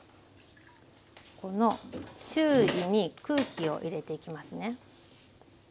この周囲に空気を入れていきますね。